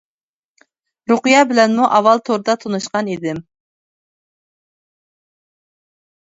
رۇقىيە بىلەنمۇ ئاۋۋال توردا تونۇشقان ئىدىم.